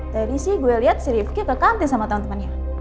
tadi sih gue liat si rifki ke kantin sama temen temennya